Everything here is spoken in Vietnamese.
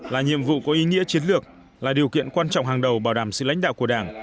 là nhiệm vụ có ý nghĩa chiến lược là điều kiện quan trọng hàng đầu bảo đảm sự lãnh đạo của đảng